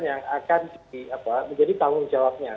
yang akan menjadi tanggung jawabnya